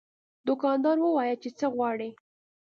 دوکاندار وویل چې څه غواړې.